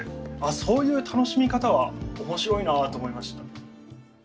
そういう楽しみ方は面白いなと思いました。